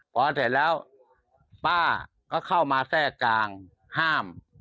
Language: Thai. พอเสร็จแล้วป้าก็เข้ามาแทรกกลางห้าม